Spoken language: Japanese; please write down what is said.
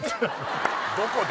どこで？